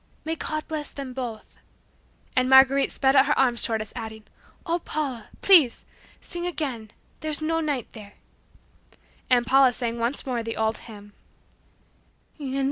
"May God bless them both," and Marguerite spread out her ams toward us, adding, "Oh, Paula, please sing again, 'There's no night there!'" And Paula sang once more the old hymn.